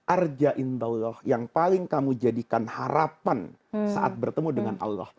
arja indahullah yang paling kamu jadikan harapan saat bertemu dengan allah